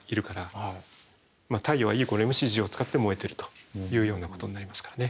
太陽はＥ＝ｍｃを使って燃えてるというようなことになりますからね。